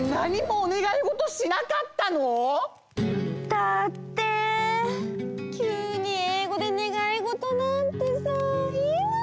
だってきゅうにえいごでねがいごとなんてさいえないよ！